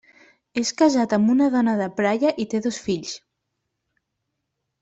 És casat amb una dona de Praia i té dos fills.